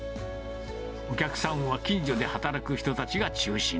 お客さんは近所で働く人たちが中心。